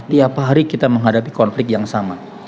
tiap hari kita menghadapi konflik yang sama